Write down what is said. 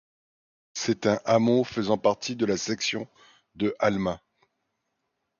C'est un hameau faisant partie de la section de Halma.